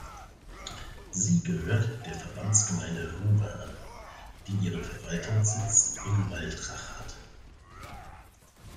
Sie gehört der Verbandsgemeinde Ruwer an, die ihren Verwaltungssitz in Waldrach hat.